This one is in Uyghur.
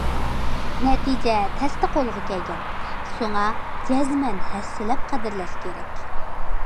نەتىجە تەستە قولغا كەلگەن، شۇڭا جەزمەن ھەسسىلەپ قەدىرلەش كېرەك.